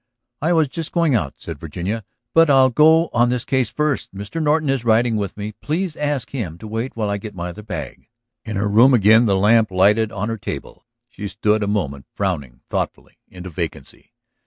"I was just going out," said Virginia. "But I'll go on this case first. Mr. Norton is riding with me. Please ask him to wait while I get my other bag." In her room again, the lamp lighted on her table, she stood a moment frowning thoughtfully into vacancy.